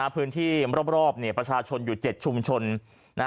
พื้นที่รอบประชาชนอยู่๗ชุมชน